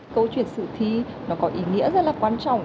câu chuyện sử thi nó có ý nghĩa rất là quan trọng